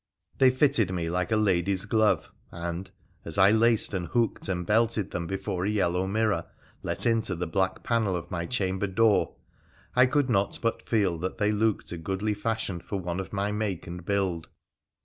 They fitted me like a lady's glove, and, as I laced and hooked and belted them before a yellow mirror let into the black panel of my chamber door, I could not but feel they looked a goodly fashion for one of my make and build.